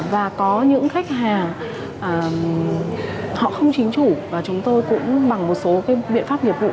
và có những khách hàng họ không chính chủ và chúng tôi cũng bằng một số biện pháp nghiệp vụ